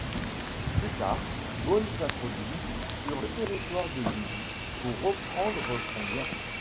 Plus tard, Bones s'introduit sur le territoire de Bully pour reprendre son bien.